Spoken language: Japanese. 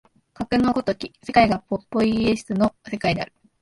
かくの如き世界がポイエシスの世界である。